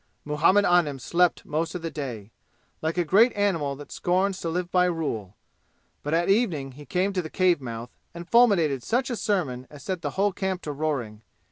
Muhammad Anim slept most of the day, like a great animal that scorns to live by rule. But at evening he came to the cave mouth and fulminated such a sermon as set the whole camp to roaring.